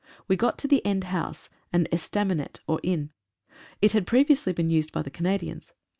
We got the end house, an estaminet, or inn. It had previously been used by the Canadians.